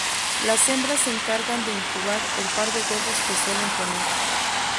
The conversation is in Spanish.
Las hembras se encargan de incubar el par de huevos que suelen poner.